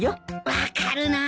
分かるな。